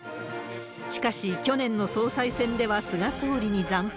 しかし、去年の総裁選では菅総理に惨敗。